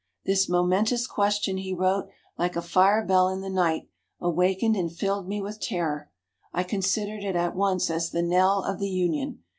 "This momentous question," he wrote, "like a fire bell in the night, awakened and filled me with terror. I considered it at once as the knell of the Union.